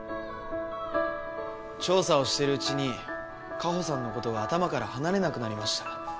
調査をしてるうちに果帆さんのことが頭から離れなくなりました。